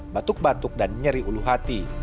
batuk batuk dan nyeri ulu hati